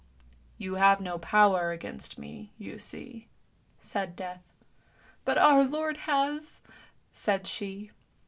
" You have no power against me, you see," said Death. " But our Lord has! " said she.